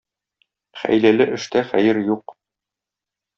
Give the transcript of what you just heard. Хәйләле эштә хәер юк.